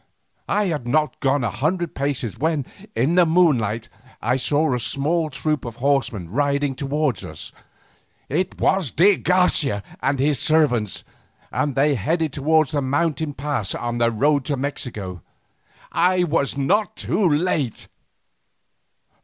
I had not gone a hundred paces when, in the moonlight, I saw a small troop of horsemen riding towards us. It was de Garcia and his servants, and they headed towards the mountain pass on their road to Mexico. I was not too late.